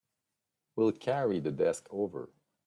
We'll carry the desk over.